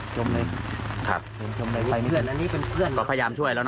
จมเลย